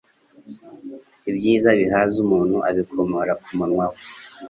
Ibyiza bihaza umuntu abikomora ku munwa we